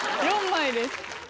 ４枚です。